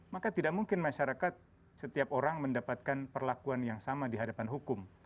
maka tidak mungkin masyarakat setiap orang mendapatkan perlakuan yang sama di hadapan hukum